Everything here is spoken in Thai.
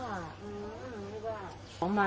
เลยไม่ว่า